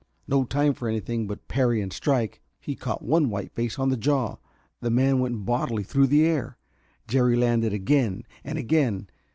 No time for anything but parry and strike. He caught one white face on the jaw; the man went bodily through the air. Jerry landed again and again.